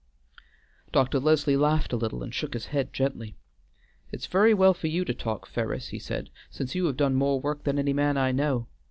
Dr. Leslie laughed a little and shook his head gently. "It's very well for you to talk, Ferris," he said, "since you have done more work than any man I know.